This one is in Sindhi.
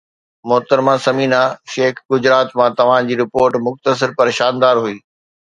محترمه ثمينه شيخ گجرات مان توهان جي رپورٽ مختصر پر شاندار هئي